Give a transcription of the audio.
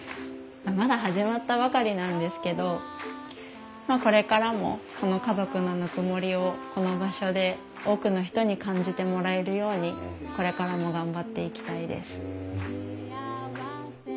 まだ始まったばかりなんですけどこれからもこの家族のぬくもりをこの場所で多くの人に感じてもらえるようにこれからも頑張っていきたいです。